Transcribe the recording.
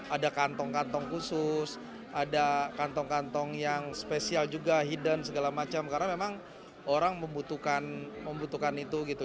ada kantong kantong khusus ada kantong kantong yang spesial juga hidden segala macam karena memang orang membutuhkan itu gitu